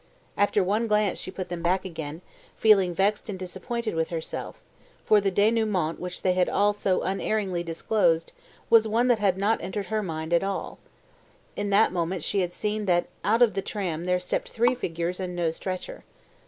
After one glance she put them back again, feeling vexed and disappointed with herself, for the denouement which they had so unerringly disclosed was one that had not entered her mind at all. In that moment she had seen that out of the tram there stepped three figures and no stretcher.